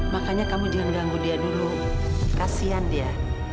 makanya kamu jangan ganggu dia dulu kasihan dia